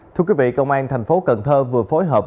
thưa quý vị công an tp cn vừa phối hợp